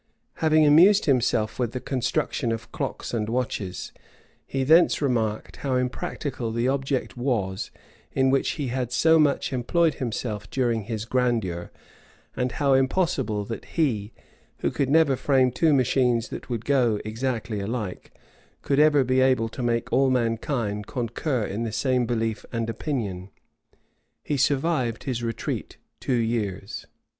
Having amused himself with the construction of clocks and watches, he thence remarked, how impracticable the object was in which he had so much employed himself during his grandeur; and how impossible that he, who never could frame two machines that would go exactly alike, could ever be able to make all mankind concur in the same belief and opinion. He survived his retreat two years.